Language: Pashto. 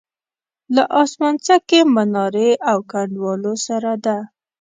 له اسمانڅکې منارې او کنډوالو سره ده.